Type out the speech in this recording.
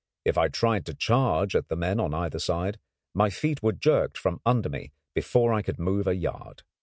If I tried to charge at the men on either side, my feet were jerked from under me before I could move a yard.